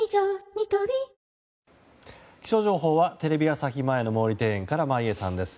ニトリ気象情報はテレビ朝日前の毛利庭園から眞家さんです。